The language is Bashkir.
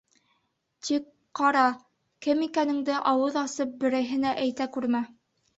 Тик, ҡара, кем икәнеңде ауыҙ асып берәйһенә әйтә күрмә.